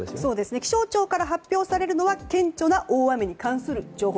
気象庁から発表されるのは顕著な大雨に関する情報。